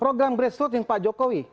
program grassroot yang pak jokowi